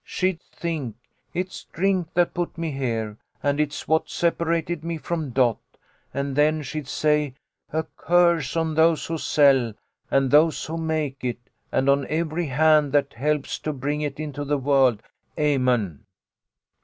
She'd think ' It's drink that put me here, and it's what separated me from Dot,' and then she'd say, 'A curse on those who sell, and those who make it, and on every hand that helps to bring it into the world ! Amen.'